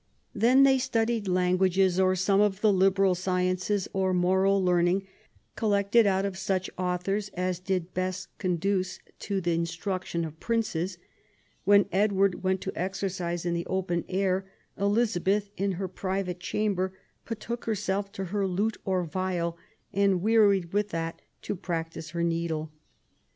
Then they studied lan guages, or some of the liberal sciences, or moral learning collected out of such authors as did best conduce to the instruction of Princes ". When Edward went to exercise in the open air, Eliza beth, in her private chamber, betook herself to her lute or viol, and, wearied with that, to practise her needle".